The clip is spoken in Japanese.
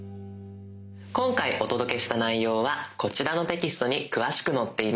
今回お届けした内容はこちらのテキストに詳しく載っています。